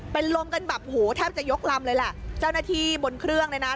เป็นลมกันแบบโหแทบจะยกลำเลยแหละเจ้าหน้าที่บนเครื่องเลยนะ